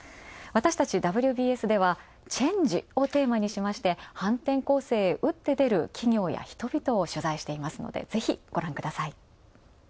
私たち「ＷＢＳ」では「チェンジ」をテーマに、反転攻勢へ打って出る企業や人々を取材していますので、ぜひご覧ください。